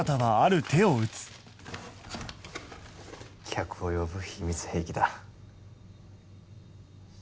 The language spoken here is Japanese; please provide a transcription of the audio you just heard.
客を呼ぶ秘密兵器だ。